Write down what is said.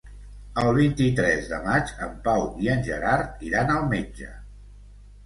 El vint-i-tres de maig en Pau i en Gerard iran al metge.